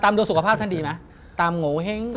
ตามดวงสุขภาพท่านดีไหมตามโง่เฮ้ง